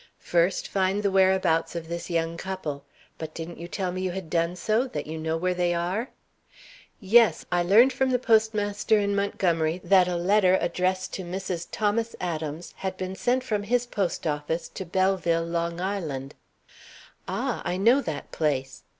"First, find the whereabouts of this young couple but didn't you tell me you had done so; that you know where they are?" "Yes. I learned from the postmaster in Montgomery that a letter addressed to Mrs. Thomas Adams had been sent from his post office to Belleville, Long Island." "Ah! I know that place."